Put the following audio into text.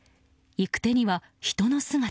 行く手には人の姿。